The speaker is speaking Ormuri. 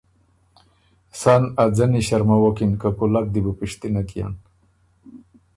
سَۀ ن ا ځنی ݭرمَوَکِن که کُولک دی بو پِشتِنه کيېن،